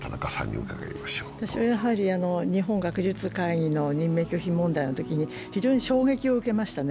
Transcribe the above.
私は、日本学術会議の任命拒否問題のときに非常に衝撃を受けましたね。